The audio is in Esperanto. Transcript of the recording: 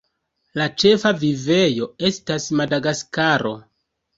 La ĉefa vivejo estas Madagaskaro.